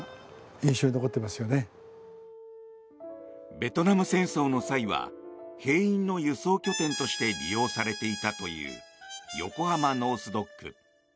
ベトナム戦争の際は兵員の輸送拠点として利用されていたという横浜ノース・ドック。